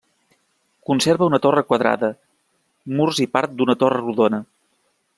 Conserva una torre quadrada, murs i part d'una torre rodona.